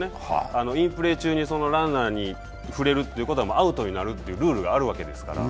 インプレー中にランナーに触れるっていうのはアウトになるっていうルールがあるわけですから。